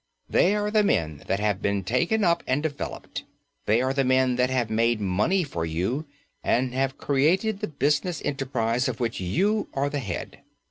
They are the men that have been taken up and developed. These are the men that have made money for you and have created the business enterprise of which you are the head.